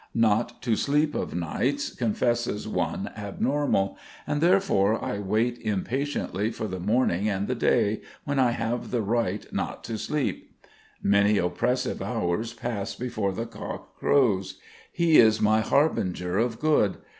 Not to sleep of nights confesses one abnormal; and therefore I wait impatiently for the morning and the day, when I have the right not to sleep. Many oppressive hours pass before the cock crows. He is my harbinger of good.